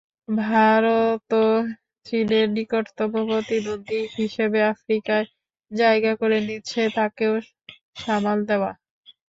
ভারতও চীনের নিকটতম প্রতিদ্বন্দ্বী হিসেবে আফ্রিকায় জায়গা করে নিচ্ছে, তাকেও সামাল দেওয়া।